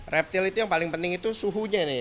reptil itu yang paling penting itu suhunya nih